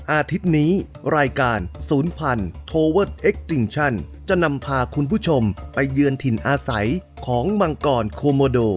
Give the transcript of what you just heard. อาทิตย์นี้รายการศูนย์พันธโทเวอร์เทคติงชันจะนำพาคุณผู้ชมไปเยือนถิ่นอาศัยของมังกรโคโมโด